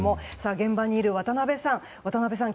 現場にいる渡辺さん